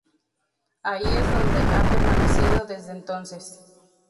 Ahí es donde ha permanecido desde entonces.